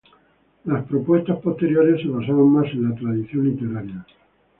Las propuestas posteriores se basaban más en la tradición literaria.